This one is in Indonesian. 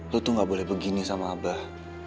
lu tuh gak boleh begini sama abah